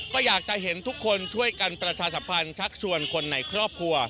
ก็อยากจะเห็นทุกคนช่วยกันประชาสัมพันธ์ชักชวนคนในครอบครัว